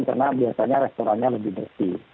karena biasanya restorannya lebih bersih